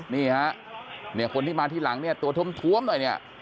นี่ฮะคนที่มาที่หลังตัวถวมหน่อย